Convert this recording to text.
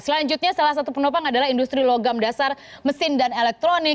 selanjutnya salah satu penopang adalah industri logam dasar mesin dan elektronik